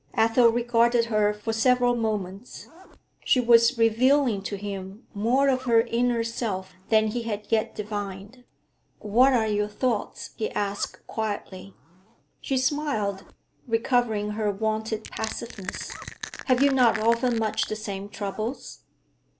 Athel regarded her for several moments; she was revealing to him more of her inner self than he had yet divined. 'What are your thoughts?' he asked quietly. She smiled, recovering her wonted passiveness. 'Have you not often much the same troubles?'